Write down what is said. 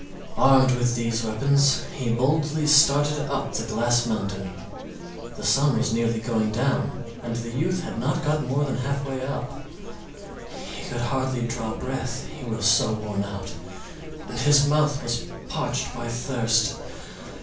Armed with these weapons he boldly started up the glass mountain. The sun was nearly going down, and the youth had not got more than halfway up. He could hardly draw breath he was so worn out, and his mouth was parched by thirst.